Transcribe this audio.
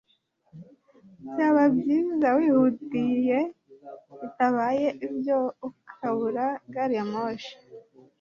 byaba byiza wihutiye, bitabaye ibyo ukabura gari ya moshi